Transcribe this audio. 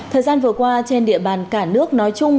thời gian vừa qua trên địa bàn cả nước nói chung